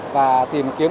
và tìm kiếm